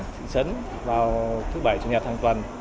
thị trấn vào thứ bảy chủ nhật hàng tuần